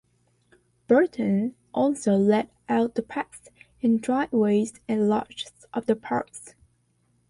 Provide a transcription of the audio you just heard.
Burton also laid out the paths and driveways and lodges of the Parks.